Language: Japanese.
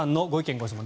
・ご質問